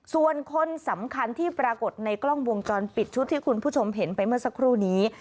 ส่วนคนสำคัญที่ปรากฏในกล้องวงจรปิดชุดที่คุณผู้ชมเห็นไปเมื่อสักครู่นี้